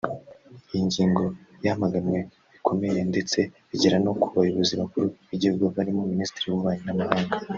Iyi ngingo yamaganywe bikomeye ndetse bigera no ku bayobozi bakuru b’igihugu barimo Minisitiri w’Ububanyi n’Amahanga